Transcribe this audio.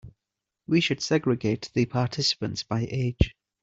We should segregate the participants by age.